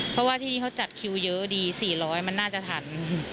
เพราะว่าที่นี่เขาจัดคิวเยอะดี๔๐๐มันน่าจะทัน